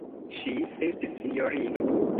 Ŝi estis sinjorino.